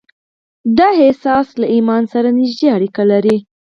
دا احساس له ايمان سره نږدې اړيکې لري.